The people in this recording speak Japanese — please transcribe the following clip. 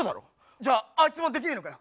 じゃああいつもできねえのかよ。